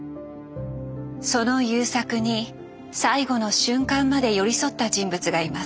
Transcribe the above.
その優作に最期の瞬間まで寄り添った人物がいます。